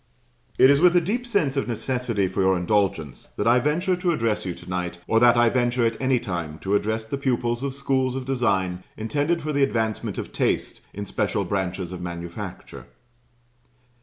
It is with a deep sense of necessity for your indulgence that I venture to address you to night, or that I venture at any time to address the pupils of schools of design intended for the advancement of taste in special branches of manufacture.